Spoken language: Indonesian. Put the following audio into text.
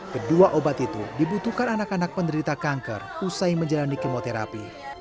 kedua obat itu dibutuhkan anak anak penderita kanker usai menjalani kemoterapi